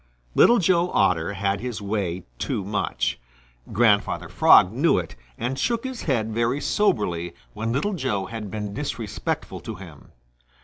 Little Joe Otter had his way too much. Grandfather Frog knew it and shook his head very soberly when Little Joe had been disrespectful to him.